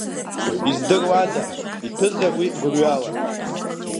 Издыруада, иҭәызар уи гәырҩала?